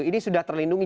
ini sudah terlindungi